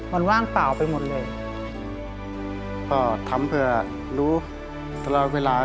มันมีเรื่องเยอะแยะ